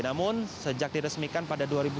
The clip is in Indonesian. namun sejak diresmikan pada dua ribu dua belas